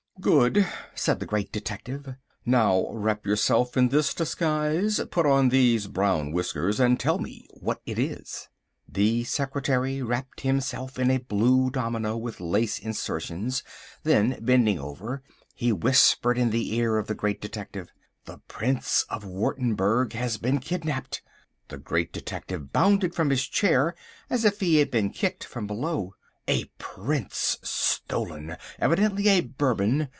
"Good," said the Great Detective, "now wrap yourself in this disguise, put on these brown whiskers and tell me what it is." The secretary wrapped himself in a blue domino with lace insertions, then, bending over, he whispered in the ear of the Great Detective: "The Prince of Wurttemberg has been kidnapped." The Great Detective bounded from his chair as if he had been kicked from below. A prince stolen! Evidently a Bourbon!